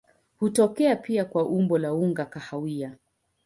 Hutokea pia kwa umbo la unga kahawia.